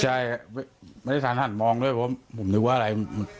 ใช่ครับไม่ได้สาธารณ์มองด้วยเพราะผมนึกว่าอะไร